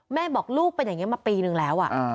แม่บอกลูกเป็นอย่างนี้มาปีนึงแล้ว